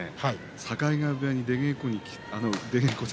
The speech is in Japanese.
境川部屋に出稽古出